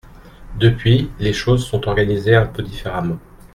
Depuis, les choses sont organisées un peu différemment.